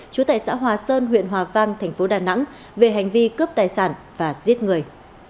chú tại xã hòa sơn huyện hòa vang thành phố đà nẵng về hành vi cướp tài sản và giết người